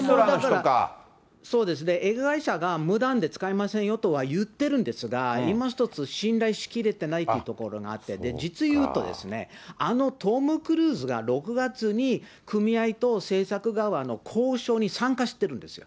そうですね、映画会社が無断で使いませんよとは言ってるんですが、今一つ信頼しきれてないというところがあって、実を言うと、あのトム・クルーズが６月に組合と制作側の交渉に参加してるんですよ。